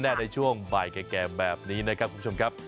ในช่วงบ่ายแก่แบบนี้นะครับคุณผู้ชมครับ